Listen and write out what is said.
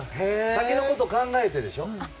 先のことを考えてでしょ？